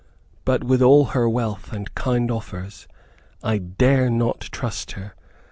But with all her wealth and kind offers, I dare not trust her.